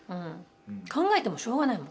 考えてもしょうがないもん